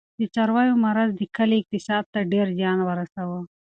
د څارویو مرض د کلي اقتصاد ته ډېر زیان ورساوه.